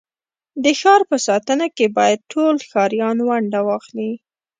د ښار په ساتنه کي بايد ټول ښاریان ونډه واخلي.